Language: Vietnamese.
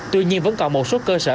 tuy nhiên vẫn còn một số cơ sở